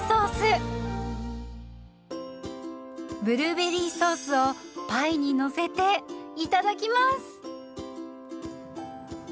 ブルーベリーソースをパイにのせていただきます。